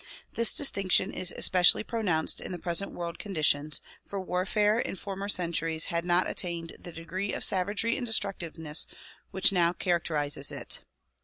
This distinction is especially pronounced in the present world conditions, for warfare in former centuries had not attained the degree of savagery and destructiveness which now characterizes it.